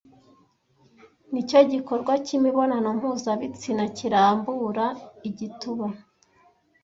nicyo gikorwa cyimibonano mpuzabitsina kirambura igituba